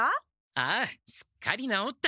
ああすっかりなおった！